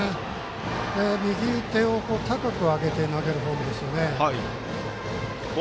右手を高く上げて投げるボールですよね。